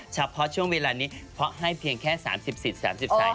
ชะเพาะช่วงเวลานี้เพราะให้เพียงแค่๓๐สิทธิ์๓๐สายเท่านั้น